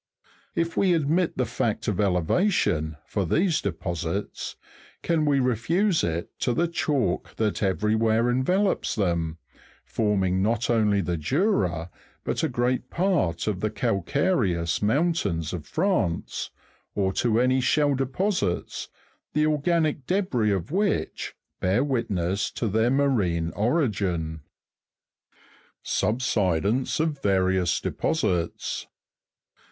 If we admit the fact of elevation, for these deposits, can we refuse it to the chalk that everywhere envelopes them, forming not only the Jura, but a great part of the calcareous mountains of France ; or to any shell deposits, the organic debris of which bear witness to their marine origin ? 9. Subsidence of various deposits.